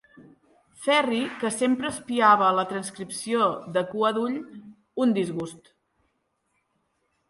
Ferri, que sempre espiava la transcripció de cua d'ull, un disgust.